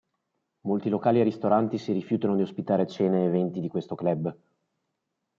Molti locali e ristoranti si rifiutano di ospitare cene e eventi di questo club.